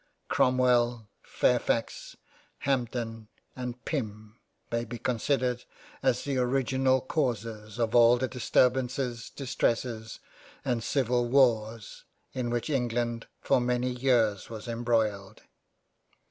Cromwell, Fairfax, Hampden, and Pym may be considered as the original Causers of all the disturbances, Distresses, and Civil Wars in which England for many years was embroiled.